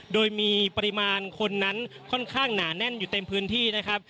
โดยมีปริมาณคนนั้นค่อนข้างหนาแน่นอยู่เต็มพื้นที่นะครับ